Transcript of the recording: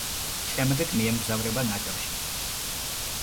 შემდეგ მიემგზავრება ნაჯაფში.